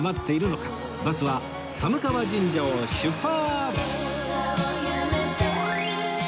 バスは寒川神社を出発！